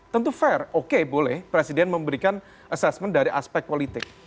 tentu fair oke boleh presiden memberikan assessment dari aspek politik